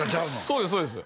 そうですそうです